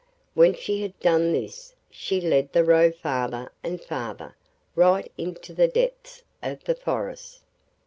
When she had done this she led the Roe farther and farther, right into the depths of the forest.